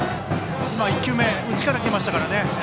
１球目、内から来ましたね。